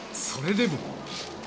それでも。